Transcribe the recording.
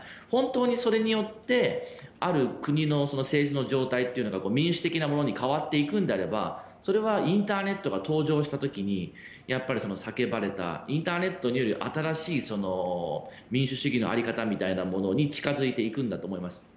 本当にそれによってある国の政治の状態というのが民主的なものに変わっていくのであればそれはインターネットが登場した時に叫ばれたインターネットにより新しい民主主義の在り方に近付いていくんだと思います。